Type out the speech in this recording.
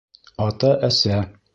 Ата-әсә